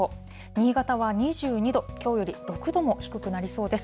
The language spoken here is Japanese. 新潟は２２度、きょうより６度も低くなりそうです。